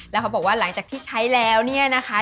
แล้วเขาบอกว่าหลังจากที่ใช้แล้วเนี่ยนะคะ